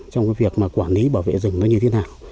trong việc quản lý bảo vệ rừng như thế nào